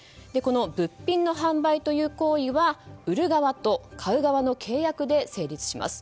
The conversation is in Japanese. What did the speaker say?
物品の販売という行為は売る側と買う側の契約で成立します。